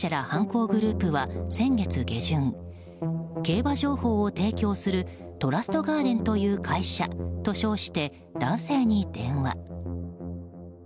犯行グループは先月下旬競馬情報を提供するトラストガーデンという会社と称して男性に電話。